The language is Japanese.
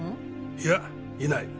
いやいない。